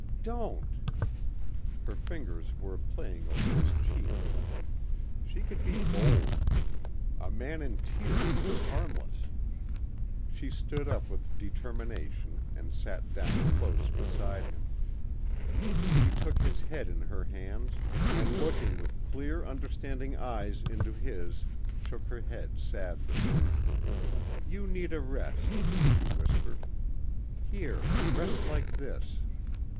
"Don't...." Her fingers were playing over his cheek. She could be bold. A man in tears was harmless. She stood up with determination and sat down close beside him. She took his head in her hands and looking with clear understanding eyes into his, shook her head sadly. "You need a rest," she whispered. "Here ... rest like this."